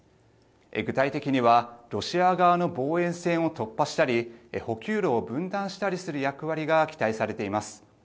具体的にはロシア側の防衛線を突破したり補給路を分断したりする役割が期待されています。